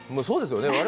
そうですね